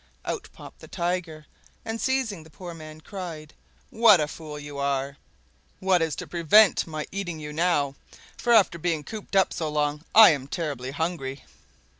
Out popped the Tiger, and, seizing the poor man, cried, "What a fool you are! What is to prevent my eating you now, for after being cooped up so long I am terribly hungry!"